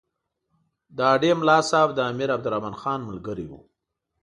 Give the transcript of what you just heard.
د هډې ملاصاحب د امیر عبدالرحمن خان ملګری وو.